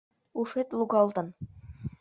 Ушет лугалтын.